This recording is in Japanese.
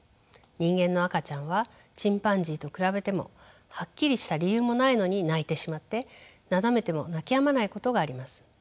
人間の赤ちゃんはチンパンジーと比べてもはっきりした理由もないのに泣いてしまってなだめても泣きやまないことがあります。